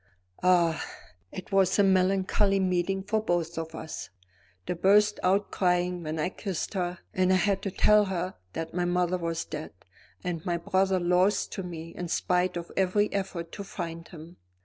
Ah, it was a melancholy meeting for both of us. She burst out crying when I kissed her; and I had to tell her that my mother was dead, and my brother lost to me in spite of every effort to find him.